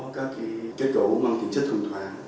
các kết cấu mang tính chất thông thoang